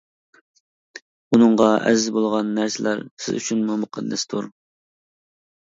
ئۇنىڭغا ئەزىز بولغان نەرسىلەر سىز ئۈچۈنمۇ مۇقەددەستۇر.